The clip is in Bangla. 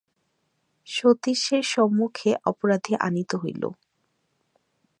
সতীশের সম্মুখে অপরাধী আনীত হইল।